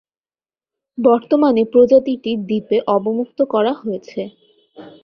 বর্তমানে প্রজাতিটি দ্বীপে অবমুক্ত করা হয়েছে।